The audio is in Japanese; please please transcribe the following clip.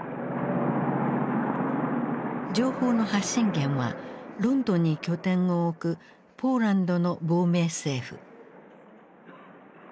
情報の発信源はロンドンに拠点を置くポーランドの亡命政府。